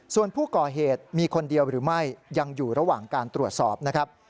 ส่วนผู้ก่อเหตุมีคนเดียวหรือไม่ยังอยู่ระหว่างการตรวจสอบนะครับ